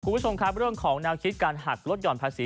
คุณผู้ชมครับเรื่องของแนวคิดการหักลดห่อนภาษี